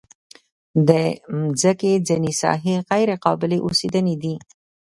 د مځکې ځینې ساحې غیر قابلې اوسېدنې دي.